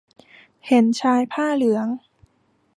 เห็นชายผ้าเหลือง